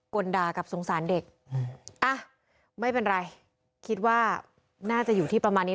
นดากับสงสารเด็กอ่ะไม่เป็นไรคิดว่าน่าจะอยู่ที่ประมาณนี้